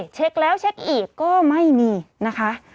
เช็คแล้วเช็คอีกก็ไม่มีนะคะ